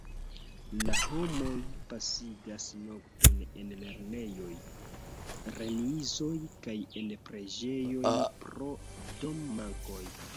La homoj pasigas nokton en lernejoj, remizoj kaj en preĝejoj pro dom-mankoj.